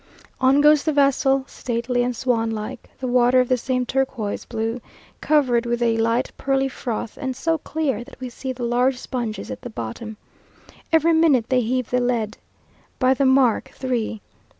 On goes the vessel, stately and swanlike; the water of the same turquoise blue, covered with a light pearly froth, and so clear that we see the large sponges at the bottom. Every minute they heave the lead. "By the mark three."